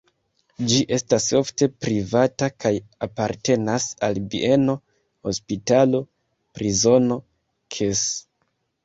Ĝi estas ofte privata kaj apartenas al bieno, hospitalo, prizono ks.